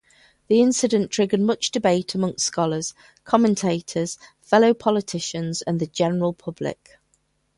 The incident triggered much debate amongst scholars, commentators, fellow politicians, and the general public.